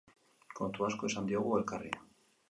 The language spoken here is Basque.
Kontu asko esan diogu elkarri.